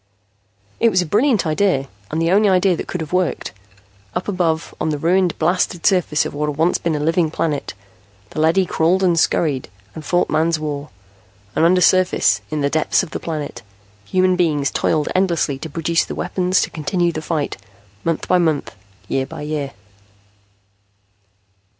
It was a brilliant idea and the only idea that could have worked. Up above, on the ruined, blasted surface of what had once been a living planet, the leady crawled and scurried, and fought Man's war. And undersurface, in the depths of the planet, human beings toiled endlessly to produce the weapons to continue the fight, month by month, year by year.